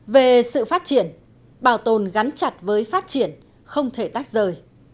về sự phát triển bảo tồn gắn chặt với phát triển không thể tách rời